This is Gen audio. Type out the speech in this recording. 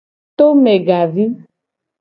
Tome gavi.